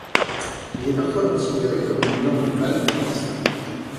Il est parfois considéré comme une langue balte distincte.